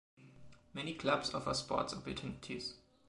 Many clubs offer sports opportunities.